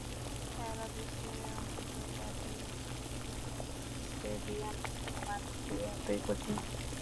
সারা দেশে অন্তত চারটি আন্তর্জাতিক মানের স্টেডিয়াম নির্মাণ কি এতই কঠিন?